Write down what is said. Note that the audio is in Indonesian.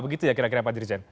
begitu ya kira kira pak dirjen